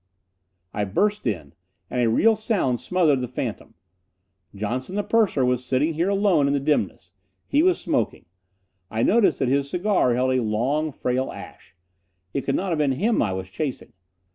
I burst in. And a real sound smothered the phantom. Johnson the purser was sitting here alone in the dimness. He was smoking. I noticed that his cigar held a long, frail ash. It could not have been him I was chasing.